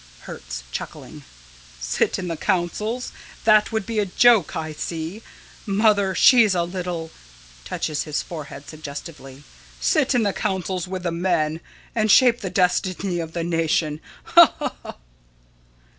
Hertz: Sit in the councils? That would be a joke. I see. Mother, she's a little [Touches his forehead suggestively.] Sit in the councils with the men and shape the destiny of the nation! Ha! ha!